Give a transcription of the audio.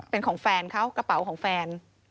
เป็นของแฟนเขากระเป๋าของแฟน